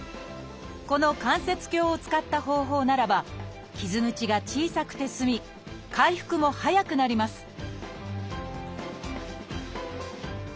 この関節鏡を使った方法ならば傷口が小さくて済み回復も早くなります